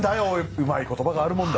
うまい言葉があるもんだ。